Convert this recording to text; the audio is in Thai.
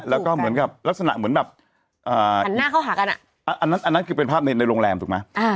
อันนั้นอันนั้นคือเป็นภาพในโรงแรมถูกไหม